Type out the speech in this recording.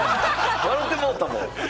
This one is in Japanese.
笑ってもうたもん。